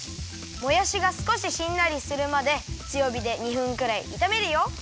もやしがすこししんなりするまでつよびで２分くらいいためるよ。